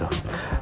oke kalau begitu